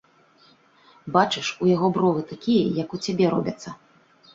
Бачыш, у яго бровы такія, як у цябе, робяцца.